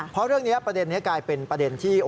เพราะเรื่องนี้ประเด็นนี้กลายเป็นประเด็นที่